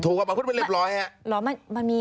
ถูกบอกมันพูดเป็นเรียบร้อย